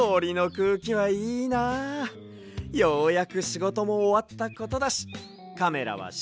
ようやくしごともおわったことだしカメラはしばらくおやすみっと。